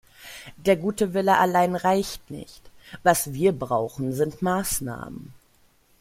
Der gute Wille allein reicht nicht. Was wir brauchen sind Maßnahmen.